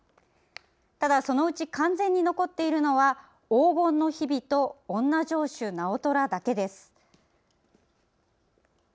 ただ、そのうち完全に残っているのは「黄金の日日」と「おんな城主直虎」だけです。